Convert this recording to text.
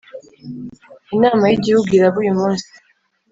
Inama y ‘Igihugu iraba uyumunsi.